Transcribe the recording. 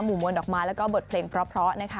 มวลดอกไม้แล้วก็บทเพลงเพราะนะคะ